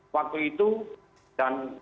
waktu itu dan